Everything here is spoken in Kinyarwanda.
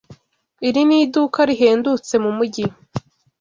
Iri ni iduka rihendutse mumujyi.